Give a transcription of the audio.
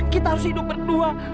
kita harus hidup berdua